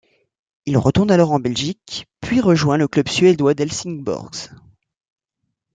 Il retourne alors en Belgique puis rejoint le club suédois d'Helsingborgs.